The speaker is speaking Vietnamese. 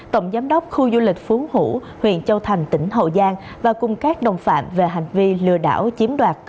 tổng giám đốc khu du lịch phú hữu huyện châu thành tỉnh hậu giang và cùng các đồng phạm về hành vi lừa đảo chiếm đoạt